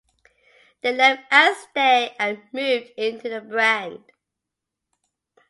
They left Anstey and moved into the Brand.